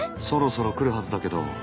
そろそろ来るはずだけど。